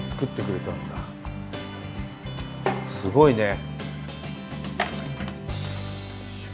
すごいね。